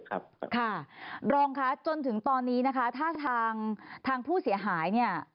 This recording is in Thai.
ค่ะลองค่ะจนถึงตอนนี้ถ้าทางผู้เสียหาย